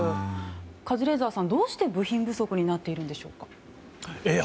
カズレーザーさんどうして部品不足になっているんでしょうか。